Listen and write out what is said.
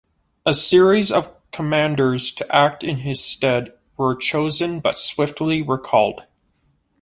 A series of commanders to act in his stead were chosen but swiftly recalled.